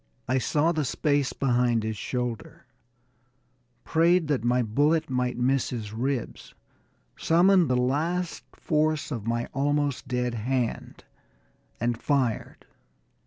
I saw the space behind his shoulder, prayed that my bullet might miss his ribs, summoned the last force at my almost dead hand, and fired.